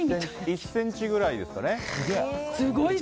１ｃｍくらいですかね。